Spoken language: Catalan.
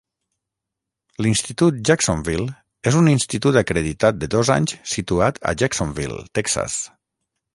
L'Institut Jacksonville és un institut acreditat de dos anys situat a Jacksonville, Texas.